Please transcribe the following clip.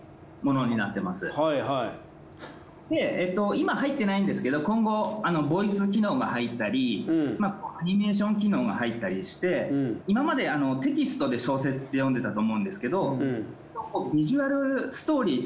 今入ってないんですけど今後ボイス機能が入ったりアニメーション機能が入ったりして今までテキストで小説って読んでたと思うんですけど。